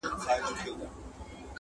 په تیاره کي یې پر زوی باندي نظر سو،